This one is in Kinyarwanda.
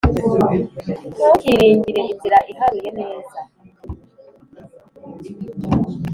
Ntukiringire inzira iharuye neza,